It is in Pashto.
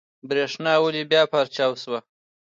برېښنا بيا ولې پرچاو شوه؟